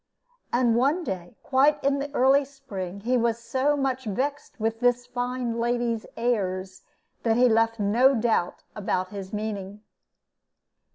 And one day, quite in the early spring, he was so much vexed with the fine lady's airs that he left no doubt about his meaning.